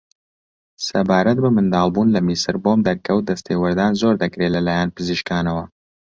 سەبارەت بە منداڵبوون لە میسر بۆم دەرکەوت دەستێوەردان زۆر دەکرێ لە لایەن پزیشکانەوە